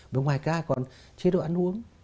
bên ngoài cái còn chế độ ăn uống